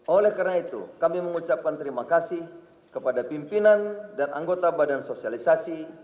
oleh karena itu kami mengucapkan terima kasih kepada pimpinan dan anggota badan sosialisasi